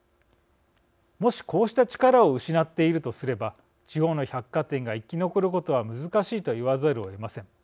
もしこうした力を失っているとすれば地方の百貨店が生き残ることは難しいと言わざるをえません。